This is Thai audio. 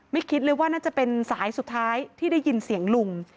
คิดเลยว่าน่าจะเป็นสายสุดท้ายที่ได้ยินเสียงลุง